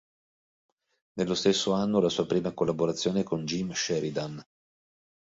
Nello stesso anno ha la sua prima collaborazione con Jim Sheridan.